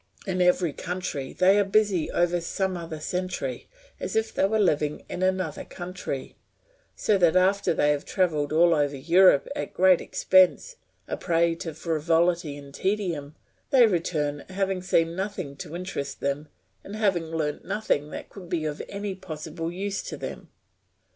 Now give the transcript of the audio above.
In every country they are busy over some other century, as if they were living in another country; so that after they have travelled all over Europe at great expense, a prey to frivolity or tedium, they return, having seen nothing to interest them, and having learnt nothing that could be of any possible use to them.